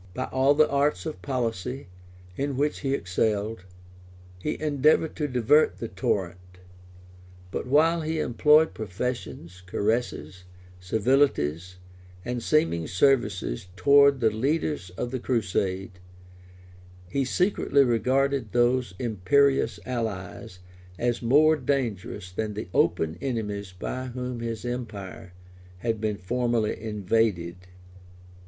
By all the arts of policy, in which he excelled, he endeavored to divert the torrent; but while he employed professions, caresses, civilities, and seeming services towards the leaders of the crusade, he secretly regarded those imperious allies as more dangerous than the open enemies by whom his empire had been formerly invaded.